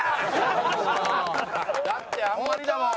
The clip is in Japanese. だってあんまりだもん。